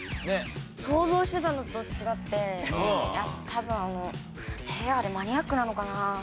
想像してたのと違って多分あのえーっあれマニアックなのかな？